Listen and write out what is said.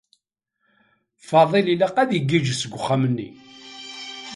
Faḍil ilaq ad igiǧǧ seg uxxam-nni.